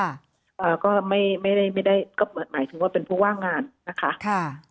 อ่าก็ไม่ไม่ได้ไม่ได้ก็หมายถึงว่าเป็นผู้ว่างงานนะคะค่ะ